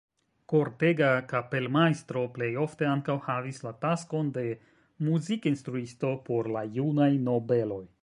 Kortega kapelmajstro plejofte ankaŭ havis la taskon de muzikinstruisto por la junaj nobeloj.